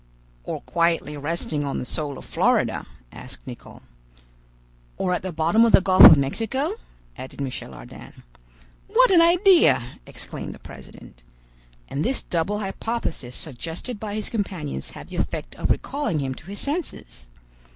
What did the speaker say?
"Or quietly resting on the soil of Florida?" asked Nicholl. "Or at the bottom of the Gulf of Mexico?" added Michel Ardan. "What an idea!" exclaimed the president. And this double hypothesis suggested by his companions had the effect of recalling him to his senses.